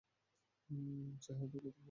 ওর চেহারা দেখলে তোর ভয় করে?